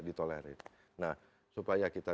ditolerir nah supaya kita